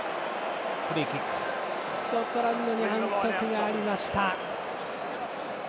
スコットランドに反則がありました。